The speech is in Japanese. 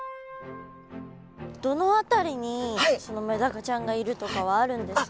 どの辺りにそのメダカちゃんがいるとかはあるんですか？